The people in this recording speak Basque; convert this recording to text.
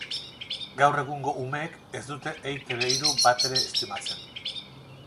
Gaur egungo umeek ez dute Eitb hiru batere estimatzen.